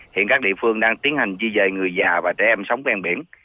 hiện các địa phương đang tiến hành di dời người già và trẻ em sống ven biển